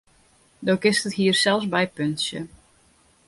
Do kinst it hier sels bypuntsje.